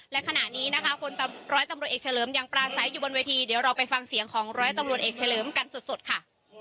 และขณะนี้นะคะคนร้อยตำรวจเอกเฉลิมยังปราศัยอยู่บนเวทีเดี๋ยวเราไปฟังเสียงของร้อยตำรวจเอกเฉลิมกันสดค่ะ